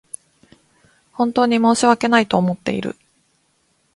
本当に申し訳ないと思っている